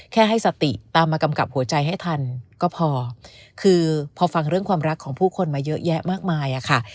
ให้สติตามมากำกับหัวใจให้ทันก็พอคือพอฟังเรื่องความรักของผู้คนมาเยอะแยะมากมายอะค่ะ